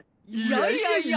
いやいやいや。